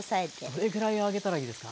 どれぐらい揚げたらいいですか？